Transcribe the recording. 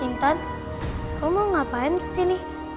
intan kamu mau ngapain kesini